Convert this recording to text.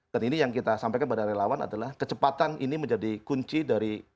dan ini yang kita sampaikan kepada relawan adalah kecepatan ini menjadi kunci dari